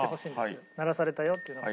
鳴らされたよっていうのが。